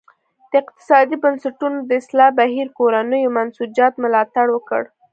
د اقتصادي بنسټونو د اصلاح بهیر کورنیو منسوجاتو ملاتړ وکړ.